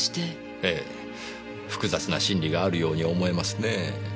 ええ複雑な心理があるように思えますねぇ。